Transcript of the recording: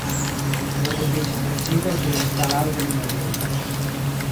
Li okupiĝis precipe pri instalado de minejoj.